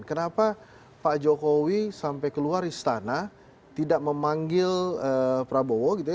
kenapa pak jokowi sampai keluar istana tidak memanggil prabowo gitu ya